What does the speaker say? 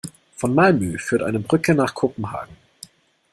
Von Malmö führt eine Brücke nach Kopenhagen.